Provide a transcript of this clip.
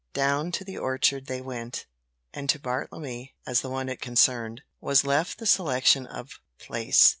Down to the orchard they went, and to Bartlemy, as the one it concerned, was left the selection of place.